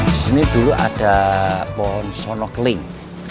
di sini dulu ada pohon sono keling